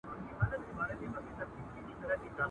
سل دي ومره، يو دي مه مره.